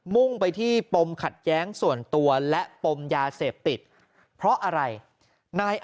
่งไปที่ปมขัดแย้งส่วนตัวและปมยาเสพติดเพราะอะไรนาย